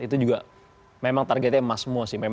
itu juga memang targetnya emas semua sih